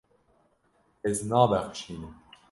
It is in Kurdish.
Ez nabexşînim.